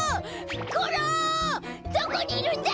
どこにいるんだ！？